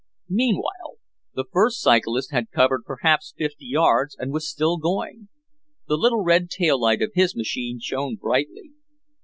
Meanwhile, the first cyclist had covered perhaps fifty yards and was still going. The little red tail light of his machine shone brightly.